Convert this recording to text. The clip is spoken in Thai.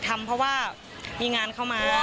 ทำเพราะว่ามีงานเข้ามา